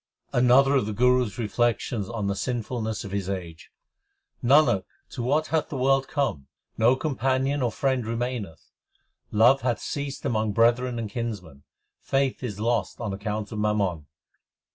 Another of the Guru s reflections on the sinful ness of his age : Nanak, to what hath the world come ? No companion or friend remaineth. Love hath ceased among brethren and kinsmen ; Faith is lost on account of mammon.